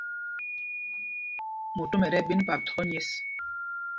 Motom ɛ tí ɛɓēn pâp thɔ̄ɔ̄ nyěs.